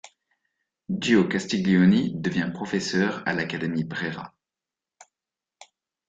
Giò Castiglioni devient professeur à l'Académie Brera.